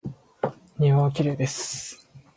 庭はきれいです。